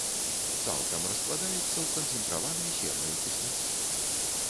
Цалкам раскладаецца ў канцэнтраванай сернай кіслаце.